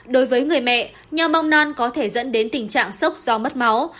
đối với người mẹ nho bong non có thể dẫn đến tình trạng sốc do mất máu